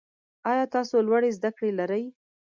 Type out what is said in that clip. آیا تاسو لوړي زده کړي لرئ؟